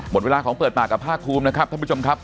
หมดเวลาของเปิดปากกับภาคภูมินะครับท่านผู้ชมครับ